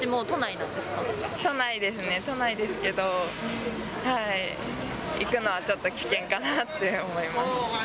都内ですけど、行くのはちょっと危険かなぁって思います。